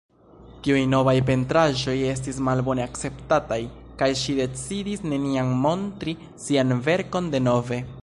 Tiuj novaj pentraĵoj estis malbone akceptataj, kaj ŝi decidis neniam montri sian verkon denove.